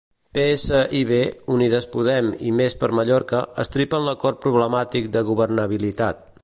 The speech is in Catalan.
PSIB, Unides Podem i Més per Mallorca estripen l'acord problemàtic de governabilitat.